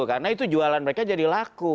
karena itu jualan mereka jadi laku